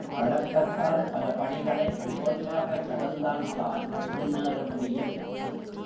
பழக்கத்தால் பல படிகளை ஒவ்வொன்றாகக் கடந்தால்தான் முன்னேற முடியும்.